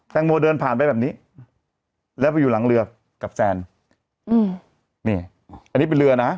โมเดินผ่านไปแบบนี้แล้วไปอยู่หลังเรือกับแซนอืมนี่อันนี้เป็นเรือนะ